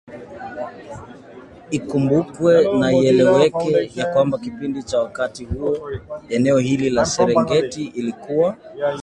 Ikumbukwe na ieleweke ya kwamba kipindi cha wakati huo eneo hili la Serengeti ilikuwa